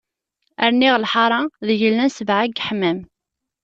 Rniɣ lḥara, deg illan sebɛa n yeḥmam.